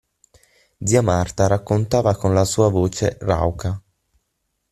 Zia Marta raccontava con la sua voce rauca.